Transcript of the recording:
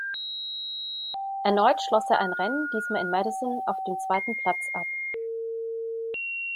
Erneut schloss er ein Rennen, diesmal in Madison, auf dem zweiten Platz ab.